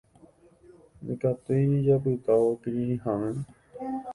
Ndaikatúi japytávo kirirĩháme.